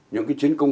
những cái chiến công